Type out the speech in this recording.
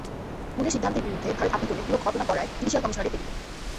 বুনের সিদ্ধান্তের বিরুদ্ধে ভারত আপিল করলে পুরো ঘটনা গড়ায় জুডিশিয়াল কমিশনারের টেবিলে।